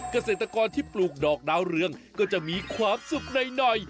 เกษตรกรที่ปลูกดอกดาวเรืองก็จะมีความสุขหน่อย